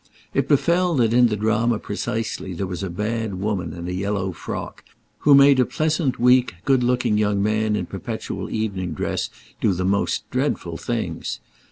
It befell that in the drama precisely there was a bad woman in a yellow frock who made a pleasant weak good looking young man in perpetual evening dress do the most dreadful things.